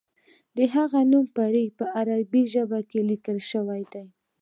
د هغه نوم پرې په عربي ژبه لیکل شوی دی.